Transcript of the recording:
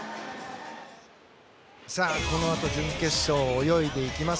このあと準決勝を泳いでいきます。